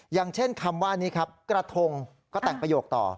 อย่างเช่นคำว่านี้ครับกระทงก็แต่งประโยคต่อ